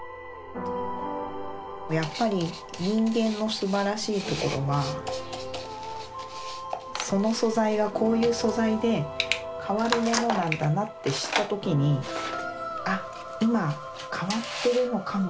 やっぱり人間のすばらしいところはその素材がこういう素材で変わるものなんだなって知った時に「あっ今変わってるのかもしれない。